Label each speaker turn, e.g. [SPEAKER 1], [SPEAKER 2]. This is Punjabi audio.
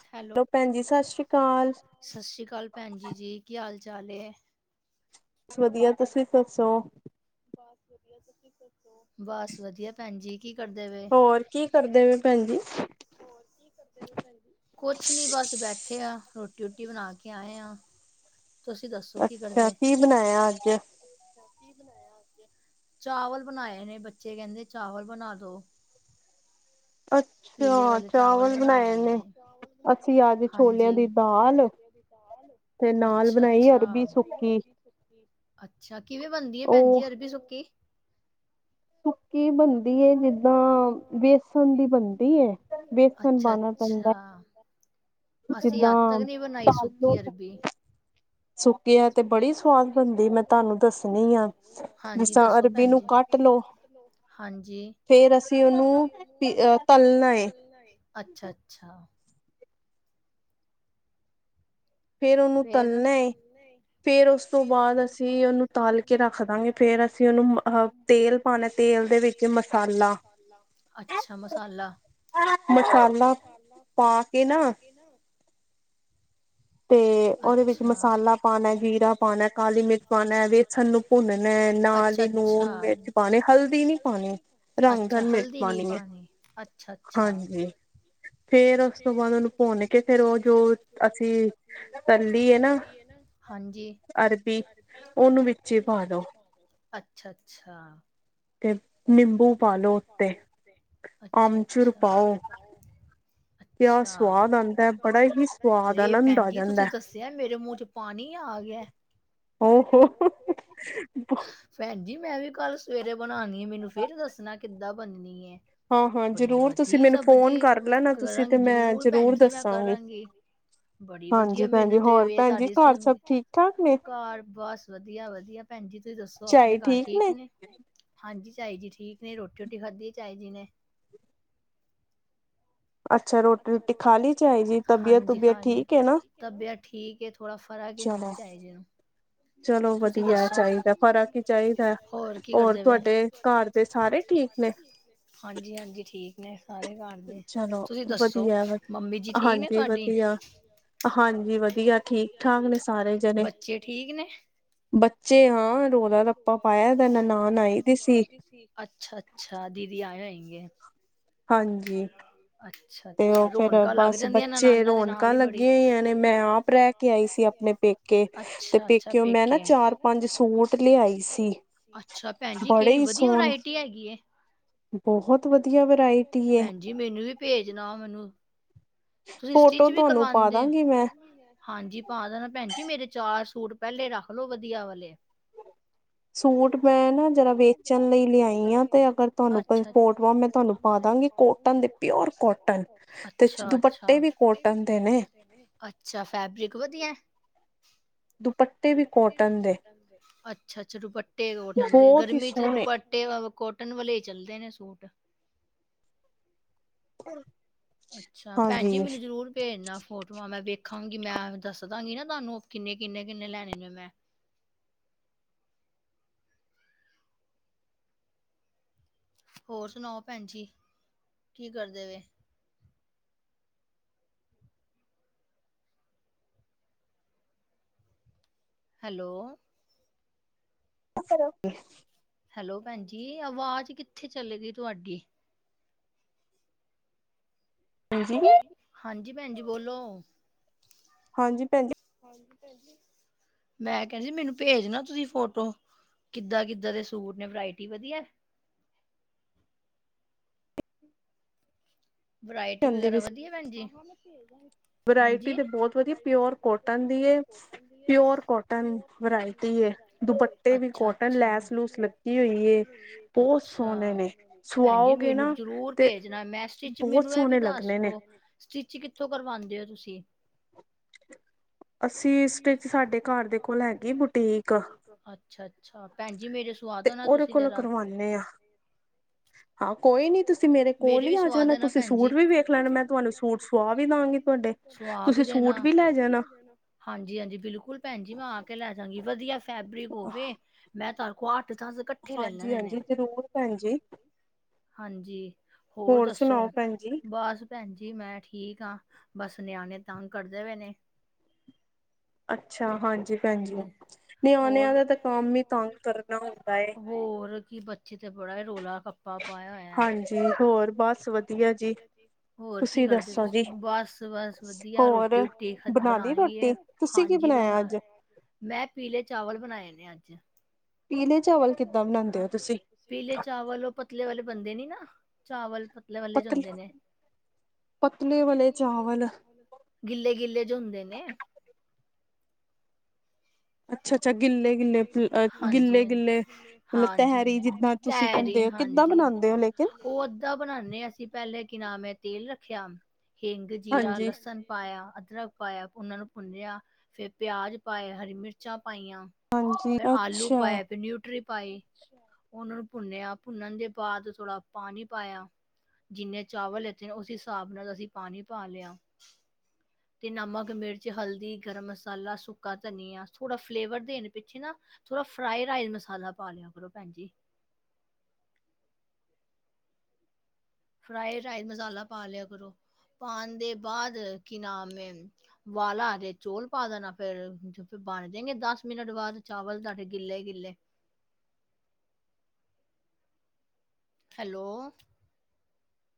[SPEAKER 1] ਹੈਲੋ, ਭੈਨ ਜੀ ਸਤਿ ਸ਼੍ਰੀ ਅਕਾਲ।
[SPEAKER 2] ਸਤਿ ਸ਼੍ਰੀ ਅਕਾਲ ਭੈਨਜੀ ਜੀ, ਕੀ ਹਾਲ-ਚਾਲ ਨੇ?
[SPEAKER 1] ਬਸ ਵਧੀਆ, ਤੁਸੀਂ ਵੀ ਦੱਸੋ?
[SPEAKER 2] ਬਸ ਵਧੀਆ ਭੈਨ ਜੀ, ਕੀ ਕਰਦੇ ਵੇ?
[SPEAKER 1] ਕੀ ਕਰਦੇ ਵੇ ਭੈਨ ਜੀ?
[SPEAKER 2] ਕੁਛ ਨੀ ਬਸ ਬੈਠੇ ਆ, ਰੋਟੀ-ਰੁਟੀ ਬਣਾ ਕੇ ਆਏ ਆ। ਤੁਸੀਂ ਦੱਸੋ, ਕੀ ਕਰਦੇ? ਕੀ ਬਨਾਇਆ ਅੱਜ? ਚਾਵਲ ਬਨਾਏ ਨੇ, ਬੱਚੇ ਕੈਨਦੇ ਚਾਵਲ ਬਨਾ ਦੋ। ਪੀਲੇ ਵਾਲੇ ਚਾਵਲ ਬਨਾਏ ਨੇ। ਹਾਂਜੀ। ਦਾਲ ਅੱਛਾ-ਅੱਛਾ-ਅੱਛਾ, ਕਿਵੇਂ ਬਣਦੀ ਐ ਭੈਨਜੀ ਅਰਬੀ ਸੁੱਕੀ?
[SPEAKER 1] ਸੁੱਕੀ ਬਨਦੀ ਏ, ਜਿੱਦਾਂ ਵੇਸਨ ਦੀ ਬਨਦੀ ਦੀ ਐ, ਵੇਸਣ ਪਾਨਾ ਪੈਂਦਾ ਏ।
[SPEAKER 2] ਨਾ, ਅਸੀਂ ਅੱਜ ਤੱਕ ਨੀ ਬਨਾਈ ਸੁੱਕੀ ਅਰਬੀ। ਸੁਕੀ ਅਰਬੀ ਬੜੀ ਸਵਾਦ ਬਨਦੀਏ, ਮੈ ਤਹਾਨੂੰ ਦਸ ਨੀ ਆ। ਹਾਂਜੀ, ਦੱਸੋ ਭੈਨ ਜੀ। ਹਾਂਜੀ। ਤਲਨਾ ਏ। ਅੱਛਾ-ਅੱਛਾ।
[SPEAKER 1] ਫੇਰ ਓਨੂੰ ਤਲਨਾ ਏ ਫੇਰ ਓਸ ਤੋਂ ਬਾਅਦ ਅਸੀਂ ਓਨੂੰ ਤਾਲ ਕੇ ਰੱਖ ਦਾਂਗੇ, ਫੇਰ ਅਸੀਂ ਓਨੂੰ ਮ-ਅਹ ਤੇਲ ਪਾਨਾ, ਤੇਲ ਦੇ ਵਿੱਚ ਮਸਾਲਾ [inaudible] ਮਸਾਲਾ ਪਾ ਕੇ ਨਾ
[SPEAKER 2] ਤੇ ਨਾ
[SPEAKER 1] ਤੇ ਓਦੇ ਵਿੱਚ ਮਸਾਲਾ ਪਾਨੇ, ਜੀਰਾ ਪਾਨੇ, ਕਾਲੀ ਮਿਰਚ ਪਾਨੇ, ਵੇਸਣ ਨੂੰ ਭੁੰਨਨੇ, ਨਾਲ ਈ ਲੂਨ, ਮਿਰਚ ਪਾਨੇ, ਹਲਦੀ ਨੀ ਪਾਨੀ, ਰੰਗਦਾਨ ਮਿਰਚ ਪਾਨੀ ਐ।
[SPEAKER 2] ਅੱਛਾ-ਅੱਛਾ-ਅੱਛਾ!
[SPEAKER 1] ਫੇਰ ਓਸ ਤੋਂ ਬਾਅਦ ਓਨੂੰ ਭੁੰਨ ਕੇ, ਫੇਰ ਓ ਜੋ ਅਸੀਂ
[SPEAKER 2] ਹਾਂਜੀ। ਅੱਛਾ- ਅੱਛਾ। ਨਿੰਬੂ ਪਾਲੋ ਉਤੇ। ਅੱਛਾ-ਅੱਛਾ। ਅੱਛਾ ਹਰੇ ਭੈਣ ਜੀ ਤੁਸੀਂ ਦੱਸ ਮੇਰੇ ਮੂੰਹ ਚ ਪਾਣੀ ਆ ਗਿਆ।
[SPEAKER 1] ਹੋ ਹੋ [inaudible]
[SPEAKER 2] ਭੈਣ ਜੀ ਮੈਂ ਵੀ ਕੱਲ ਸਵੇਰੇ ਬਣਾਨੀ ਐ। ਮੈਨੂੰ ਫੇਰ ਦੱਸਣਾ ਕਿੱਦਾਂ ਬਣਨੀ ਐ। ਬੜੀ ਵਧੀਆ ਸਬਜ਼ੀ ਹੈ, ਕਰਾਂਗੀ ਜਰੂਰ ਭੈਣ ਜੀ ਮੈਂ ਕਰਾਂਗੀ। ਬੜੀ ਵਧੀਆ ਮੈਨੂੰ ਤੇ ਇਹ ਤੁਹਾਡੀ ਸਣ, ਘਰ ਬਸ ਵਧੀਆ-ਵਧੀਆ। ਭੈਣਜੀ ਤੁਸੀਂ ਦੱਸੋ ਆਪਣੇ ਘਰ ਠੀਕ ਨੇ। ਹਾਂਜੀ ਚਾਈ ਜੀ ਠੀਕ ਨੇ, ਰੋਟੀ ਰੁਟੀ ਖਾਧੀ ਹੈ ਚਈ ਜੀ ਨੇ।
[SPEAKER 1] ਅੱਛਾ ਰੋਟੀ-ਰੁਟੀ ਖਾ ਲਈ ਚਈ ਜੀ, ਤਬੀਅਤ-ਤੁਬੀਅਤ ਠੀਕ ਹੈ ਨਾ।
[SPEAKER 2] ਤਬੀਅਤ ਠੀਕ ਏ ਥੋੜਾ ਫਰਕ ਏ ਹੋਣ ਚਾਈ ਜੀ ਨੂੰ।
[SPEAKER 1] ਚਲੋ ਵਧੀਆ ਚਾਹੀਦਾ ਫਰਕ ਹੀ ਚਾਹੀਦਾ। ਹੋਰ ਤੁਹਾਡੇ ਘਰ ਤੇ ਸਾਰੇ ਠੀਕ ਨੇ।
[SPEAKER 2] ਹਾਂਜੀ-ਹਾਂਜੀ ਠੀਕ ਨੇ ਸਾਰੇ ਘਰ ਦੇ। ਤੁਸੀਂ ਤੁਸੀਂ ਦੱਸੋ ਮੰਮੀ ਜੀ ਠੀਕ ਨੇ ਤੁਹਾਡੀ। ਹਾਂਜੀ ਵਦੀਆ ਠੀਕ-ਠਾਕ ਓ, ਬੱਚੇ ਠੀਕ ਨੇ ਬੱਚੇ ਹਾਂ ਰੋਲਾ-ਰੱਪਾ ਪਾਆ ਨ ਨ ਨਾ ਮੈ ਆਈ ਦੀ ਸੀ ਅਛਾ ਅ ਛਾ, ਦੀਦੀ ਆਏ ਹੋਏ ਗੇ
[SPEAKER 1] ਹਾਂਜੀ
[SPEAKER 2] ਅੱਛਾ-ਅੱਛਾ ਰੌਣਕਾਂ ਲੱਗ ਜਾਂਦੀਆ ਨ ਨਾਨਾ ਦੇ ਨਾਲ ਈ ਬੜੀ ਅੱਛਾ-ਅੱਛਾ ਪੇਕੇ ਚਾਰ-ਪੰਜ ਸੂਟ ਲੇਆਈ ਸੀ, ਅਛਾ ਭੈਣ ਜੀ ਕੇੜੀ ਵਧਿਆ ਵਰਾਇਟੀ ਹੈਗੀ ਏ
[SPEAKER 1] ਬੋਹਤ ਵਧੀਆ ਵਰਾਇਟੀ ਅੇ
[SPEAKER 2] ਜੀ ਮੇਨੂੰ ਵੀ ਭੇਜਣਾ ਮਨੂੰ, ਤੁਸੀਂ ਸਟਿਚ ਵੀ ਕਰਵਾਦੇ ਓ ਹਾਂਜੀ ਪਾ ਦੇਣਾ ਭੈਣ ਜੀ ਮੇਰੇ ਚਾਰ ਸੂਟ ਪੈਲੇ ਰੱਖ ਲੋ ਵਧੀਆ ਵਾਲੇ
[SPEAKER 1] ਸੂਟ ਮੈਂ ਨਾ ਜਰਾ ਵੇਚਣ ਲਈ ਲੇਆਈ ਆ ਤੇ ਅਗਰ ਤਵਾਨੂੰ ਕੋਈ ਪੋ ਮੈਮ ਮੈਂ ਤਵਾਨੂੰ ਪਾ ਦਾਗੀ ਕੋਟਨ ਦੇ ਪਿਓਰ ਕੋਟਨ, ਤੇ ਚ ਦੁਪੱਟੇ ਵੀ
[SPEAKER 2] ਅੱਛਾ ਫੈਬਰਿਕ ਵਧੀਐ ਅੱਛਾ-ਅੱਛਾ ਦੁਪੱਟੇ ਕੋਟਨ ਦੇ ਗਰਮੀ ਚ ਦੁਪ ਟੇ ਵ ਕੋਟਨ ਵਾਲੇ ਚੱਲਦੇ ਨੇ ਸੂਟ
[SPEAKER 1] [unintelligible]
[SPEAKER 2] ਅੱਛਾ ਭੈਣ ਜੀ ਮਨੂੰ ਜ਼ਰੂਰ ਭੇਜਣਾ ਫੋਟੋਆ ਮੈ ਵੇਖਾਗੀ ਮੈ ਦਸ ਦਾਗੀ ਨਾ ਤਾਨੂੰ ਕਿੰਨੇ, ਕਿੰਨੇ, ਕਿੰਨੇ ਲੈਣੇ ਨੇ ਮੈ ਹੋਰ ਸੁਣਾਓ ਭੈਣ ਜੀ, ਕੀ ਕਰਦੇ ਵੇ ਹੈਲੋ
[SPEAKER 1] [unintelligible] ਕੇ
[SPEAKER 2] ਹੈਲੋ ਭੈਣਜੀ ਆਵਾਜ਼ ਕਿੱਥੇ ਚਲੇਗੀ ਤਵਾਡੀ ਹਾਂਜੀ, ਹਾਂਜੀ ਭੈਣ ਜੀ ਬੋਲੋ
[SPEAKER 1] ਹਾਂਜੀ ਭੈਣਜੀ
[SPEAKER 2] ਮੈਂ ਕੈੰਦੀ ਸੀ ਮੈਨੂੰ ਭੇਜ ਨਾ ਤੁਸੀ ਫੋਟੋ ਕਿੱਦਾਂ-ਕਿੱਦਾਂ ਦੇ ਸੂਟ ਨੇ ਵਰਾਇਟੀ ਵਧੀਐ ਵਰਾਇਟੀ ਵਗੈਰਾ ਵਧੀਆ ਭੈਣ ਜੀ
[SPEAKER 1] ਵਰਾਇਟੀ ਤੇ ਬੋਤ ਵਧੀਆ ਪੇਓਰ ਕੋਟਨ ਦੀ ਏ ਪੇਓਰ ਕੋਟਨ, ਵਰਾਇਟੀ ਏ ਦੁਪੱਟੇ ਵੀ ਕੋਟਨ ਲੈਸ-ਲੂਸ ਲੱਗੀ ਹੋਈ ਏ ਬੋ ਸੋਣੇ ਨੇ
[SPEAKER 2] ਭੈਣਜੀ ਮੇਨੂੰ ਜ਼ਰੂਰ ਭੇਜਣਾ ਮੈ ਸਟਿਚ ਮੇਨੂੰ ਐ ਵੀ ਦੱਸ ਦੋ ਸਟਿਚ ਕਿੱਥੋਂ ਕਰਵਾਦੇ ਓ ਤੁਸੀ
[SPEAKER 1] ਅਸੀ ਸਟਿਚ ਸਾਡੇ ਘੱਰ ਦੇ ਕੋਲ ਹੈਗੀ ਬੁਟੀਕ
[SPEAKER 2] ਅੱਛਾ-ਅੱਛਾ ਭੈਣ ਜੀ ਮੇਰੇ ਸੁਆਦੋ ਨਾ ਤੁਸੀ ਜਰਾ ਮੇਰੇ ਵੀ ਸਵਾ ਦੇਣਾ ਭੈਣ ਜੀ ਸੁਆ ਵੀ ਦੇਣਾ, ਹਾਂਜੀ ਆਜੀ ਬਿਲਕੁਲ ਭੈਣ ਜੀ ਮੈਂ ਆ ਕੇ ਲੈ ਜਾਗੀ ਵਧੀਆ ਫੈਬਰਿਕ ਹੋਵੇ, ਮੈਂ ਤਾਡ ਕੋਲ ਅੱਠ-ਦੱਸ ਕ
[SPEAKER 1] ਹਾਂਜੀ-ਹਾਂਜੀ ਜ਼ਰੂਰ ਭੈਣ ਜੀ
[SPEAKER 2] ਹਾਂਜੀ ਹੋਰ ਦੱਸੋ, ਬੱਸ ਭੈਣ ਜੀ ਮੈਂ ਠੀਕ ਆ ਬੱਸ ਨਿਆਣੇ ਤੰਗ ਕਰਦੇ ਪੇ ਨੇ ਹਾਂਜੀ, ਓਰ, ਹੋਰ ਕਿ ਬੱਚੇ ਤਾਂ ਬੜਾ ਰੋਲਾ ਖਪਾ
[SPEAKER 1] ਹਾਂਜੀ ਹੋਰ ਬੱਸ ਵਧੀਆ ਜੀ ਤੁਸੀਂ ਦੱਸੋ ਜੀ, ਹੋਰ ਬਣਾਲੀ ਰੋਟੀ ਤੁਸੀ ਕੀ ਬਣਾਆ ਅੱਜ
[SPEAKER 2] ਮੈ ਪੀਲੇ ਚਾਵਲ ਬਣਾਏ ਨੇ ਅੱਜ
[SPEAKER 1] ਪੀਲੇ ਚਾਵਲ ਕਿਦਾਂ ਬਨਾਂਦੇ ੳ ਤੁਸੀ?
[SPEAKER 2] ਪੀਲੇ ਚਾਵਲ ੳਹ ਪਤਲੇ ਵਾਲੇ ਬਨਦੇ ਨੇ ਨਾ। ਚਾਵਲ ਪਤਲੇ ਵਾਲੇ ਜੋ ਹੋਂਦੇ ਨੇ। ਗਿੱਲੇ ਗਿੱਲੇ ਜੋ ਹੁੰਦੇ ਨੇ। ਹਾਂਜੀ-ਹਾਂਜੀ, ਹਾਂ ਹਾਂਜੀ-ਹਾਂਜੀ। ਤੈਹਰੀ ਹਾਂਜੀ। ਉਹ ਅੱਧਾ ਬਨਾਦੇ ਆ ਅਸੀ ਪੈਲੇ ਕੀ ਨਾਮ ਏ, ਤੇਲ ਰਖੇਆ ਹਿੰਗ, ਜੀਰਾ, ਲਸਣ ਪਾਏਆ, ਅਦਰਕ ਪਾਏਆ, ੳਨਾ ਨੂੰ ਭੁੰਨੇਆ ਫੇਰ ਪਿਆਜ ਪਾਏ, ਹਰੀ ਮਿਰਚਾਂ ਪਾਈਆਂ ਫੇਰ ਆਲੂ ਪਾਏ, ਫੇਰ ਨਿਊਟਰੀ ਪਾਈ। ੳਨਾ ਨੂੰ ਭੁੰਨੇਆ, ਭੁੰਨਣ ਦੇ ਬਾਦ ਥੋੜਾ ਪਾਨੀ ਪਾਏਆ। ਜਿੰਨੇ ਚਾਵਲ ਲੈਤੇ ਨੇ ੳਸੀ ਹਿਸਾਬ ਨਾਲ ਅਸੀ ਪਾਨੀ ਪਾ ਲੇਆ ਤੇ ਨਮਕ, ਮਿਰਚ, ਹਲਦੀ, ਗਰਮ ਮਸਾਲਾ, ਸੁੱਕਾ ਧਨੀਆ ਥੋੜਾ ਫਲੇਵਰ ਦੇਨ ਪਿੱਛੇ ਨਾ ਥੋੜਾ ਫਰਾਈ ਰਾਈਸ ਮਸਾਲਾ ਪਾ ਲੇਆ ਕਰੋ ਭੈਨ ਜੀ। ਫਰਾਈਡ ਰਾਈਸ ਮਸਾਲਾ ਪਾ ਲਿਆ ਕਰੋ ਪਾਣ ਦੇ ਬਾਦ ਕੀ ਨਾਮ ਏ ਵਾਲਾ ਆਜੇ ਚੋਲ ਪਾ ਦੇਨਾ ਫੇਰ ਬਨ ਜਨਗੇ ਦਸ ਮਿਨਟ ਬਾਦ ਚਾਵਲ ਤਾਡੇ ਗਿੱਲੇ- ਗਿੱਲੇ। ਹੈਲੋ